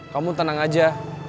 kamu tenang aja